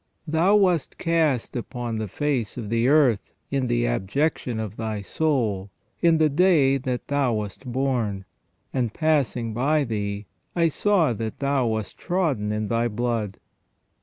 " Thou wast cast upon the face of the earth in the abjection of thy soul, in the day that thou wast born, and passing by thee I saw that thou wast trodden in thy blood."